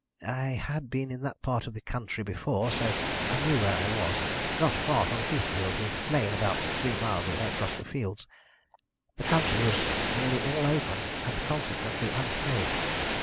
I had been in that part of the country before, so I knew where I was not far from Heathfield, with Flegne about three miles away across the fields. The country was nearly all open, and consequently unsafe.